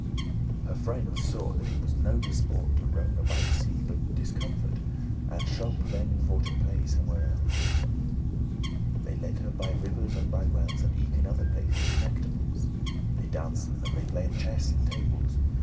Her friendes saw that it was no disport To roame by the sea, but discomfort, And shope* them for to playe somewhere else. *arranged They leade her by rivers and by wells, And eke in other places delectables; They dancen, and they play at chess and tables.